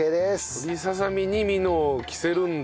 鶏ささみに蓑を着せるんだ。